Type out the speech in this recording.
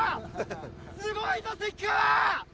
すごいぞ関川！